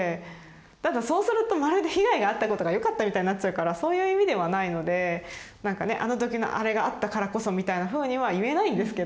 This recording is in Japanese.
ただそうするとまるで被害があったことがよかったみたいになっちゃうからそういう意味ではないのでなんかねあのときのあれがあったからこそみたいなふうには言えないんですけど。